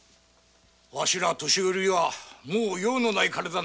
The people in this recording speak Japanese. ワシら年寄りはもう用のない体だ。